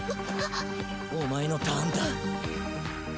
お前のターンだ。